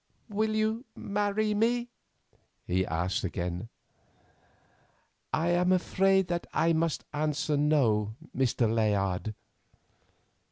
"Will you marry me?" he asked again. "I am afraid that I must answer no, Mr. Layard."